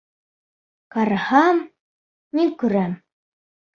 Ҡараһам, ни күрәм!